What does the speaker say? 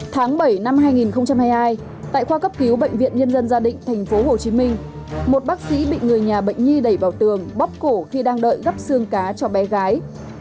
tháng bảy năm hai nghìn hai mươi hai tại khoa cấp cứu bệnh viện nhân dân gia định tp hcm một bác sĩ bị người nhà bệnh nhi đẩy vào tường bóp cổ khi đang đợi gấp xương cá cho bé gái